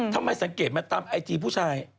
ทำไมสังเกตไหมตามไอจีผู้ชาย